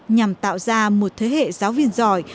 nhằm tạo ra một thế hệ giáo viên giỏi